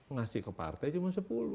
ngasih ke partai cuma sepuluh